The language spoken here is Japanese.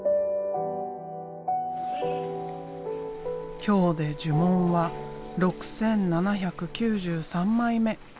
今日で呪文は６，７９３枚目。